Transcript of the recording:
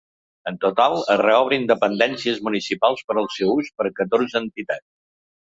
En total, es reobrin dependències municipals per al seu ús per catorze entitats.